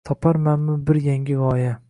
Toparmanmi bir yangi g’oya